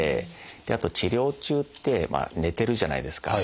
あと治療中って寝てるじゃないですか。